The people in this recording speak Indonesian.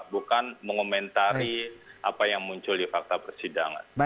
bukan mengomentari apa yang muncul di fakta persidangan